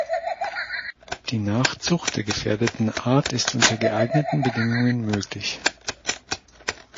Die Nachzucht der gefährdeten Art ist unter geeigneten Bedingungen möglich.